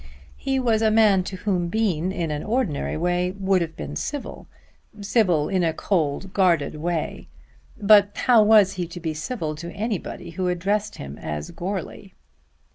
He was a man to whom Bean in an ordinary way would have been civil, civil in a cold guarded way; but how was he to be civil to anybody who addressed him as Goarly?